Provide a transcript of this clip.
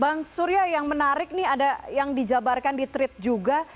bang surya yang menarik nih ada yang dijabarkan di tweet juga